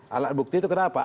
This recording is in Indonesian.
alat bukti itu kenapa